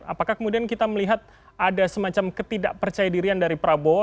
apakah kemudian kita melihat ada semacam ketidakpercaya dirian dari prabowo